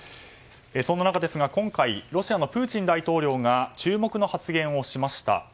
そんな中今回ロシアのプーチン大統領が注目の発言をしました。